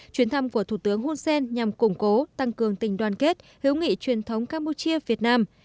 chuyến thăm của thủ tướng husen nhằm củng cố tăng cường tình đoàn kết hiếu nghị truyền thống campuchia việt nam